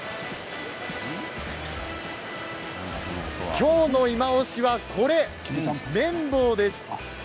今日のいまオシはこれ綿棒です。